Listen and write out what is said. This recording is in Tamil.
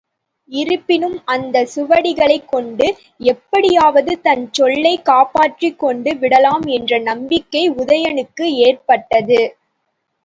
இருப்பினும் அந்தச் சுவடிகளைக் கொண்டு எப்படியாவது தன் சொல்லைக் காப்பாற்றிக் கொண்டு விடலாம் என்ற நம்பிக்கை உதயணனுக்கு ஏற்பட்டது.